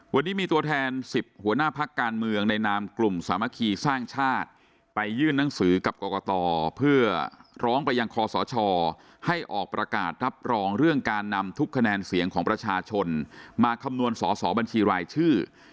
วันนี้มีตัวแทน๑๐หัวหน้าพักการเมืองในนามกลุ่มสามัคคีสร้างชาติไปยื่นหนังสือกับกรกตเพื่อร้องไปยังคอสชให้ออกประกาศรับรองเรื่องการนำทุกคะแนนเสียงของประชาชนมาคำนวณสอสอบัญชีรายชื่อ